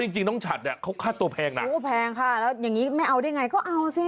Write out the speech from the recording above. จริงน้องฉัดเนี่ยเขาค่าตัวแพงนะโอ้แพงค่ะแล้วอย่างนี้ไม่เอาได้ไงก็เอาสิ